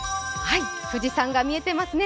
富士山が見えていますね。